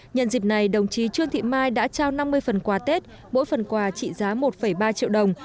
nhân dịp này đồng chí trương thị mai đã trao năm mươi phần quà tết mỗi phần quà trị giá một ba triệu đồng